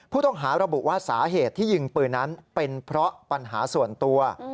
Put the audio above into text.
ผู้ต้องหาระบุว่าสาเหตุที่ยิงปืนนั้นเป็นเพราะปัญหาส่วนตัว